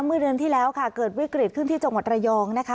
เมื่อเดือนที่แล้วค่ะเกิดวิกฤตขึ้นที่จังหวัดระยองนะคะ